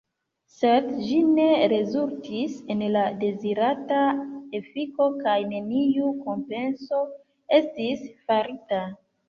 Sed ĝi ne rezultis en la dezirata efiko kaj neniu kompenso estis farita.